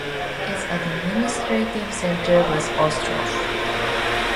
Its administrative centre was Ostrov.